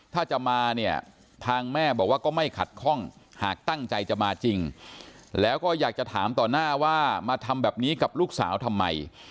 ถ้าจะมาเนี่ยทางแม่บอกว่าก็ไม่ขัดข้องหากตั้งใจจะมาจริงแล้วก็อยากจะถามต่อหน้าว่ามาทำแบบนี้กับลูกสาวทำไม